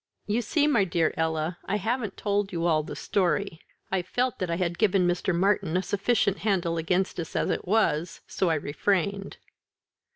"You see, my dear Ella, I haven't told you all the story. I felt that I had given Mr. Martyn a sufficient handle against us as it was; so I refrained."